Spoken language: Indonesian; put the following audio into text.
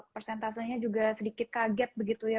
persentasenya juga sedikit kaget begitu ya